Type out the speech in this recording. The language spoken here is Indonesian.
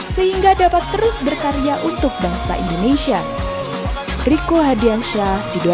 sehingga dapat terus berkarya untuk bangsa indonesia